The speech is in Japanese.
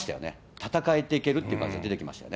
戦えていけるっていう感じが出てきましたよね。